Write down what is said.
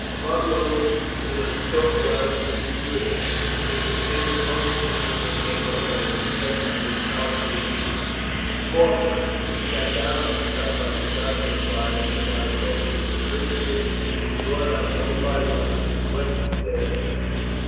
Among those who was took was Mr. Julian. He was standing close to me when they came up, and I expect he was collared immediate. Faulkner, he sat down on a tub by the side of the fire and takes out a book, and the prisoners was brought up one by one and questions asked them.